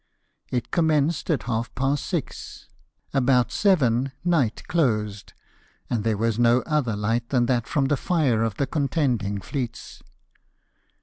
It commenced at half past six ; about seven night closed, and there was no other light than that from the fire of the contending fleets.